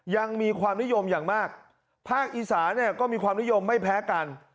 ยังมีความนิยมอย่างมากภาคอีสาเนี่ยก็มีความนิยมไม่แพ้กัน